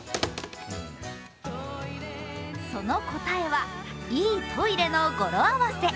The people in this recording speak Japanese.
その答えは、イイトイレの語呂合わせ。